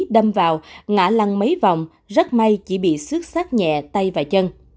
đâm vào ngã lăn mấy vòng rất may chỉ bị xước sát nhẹ tay và chân